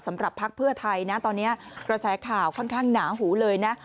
สำหรับภักดิ์เพื่อไทยตอนนี้ระแสข่าวค่อนข้างหนาหูเลยนะ